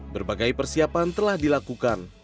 berbagai persiapan telah dilakukan